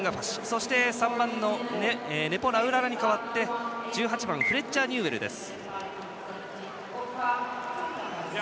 そして、３番のネポ・ラウララに代わって１８番のフレッチャー・ニューウェルです。